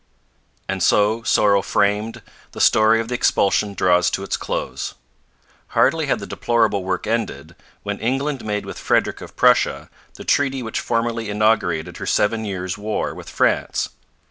And so, sorrow framed, the story of the expulsion draws to its close. Hardly had the deplorable work ended, when England made with Frederick of Prussia the treaty which formally inaugurated her Seven Years' War with France.